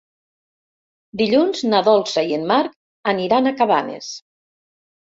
Dilluns na Dolça i en Marc aniran a Cabanes.